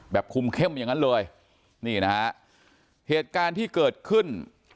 คุมเข้มอย่างนั้นเลยนี่นะฮะเหตุการณ์ที่เกิดขึ้น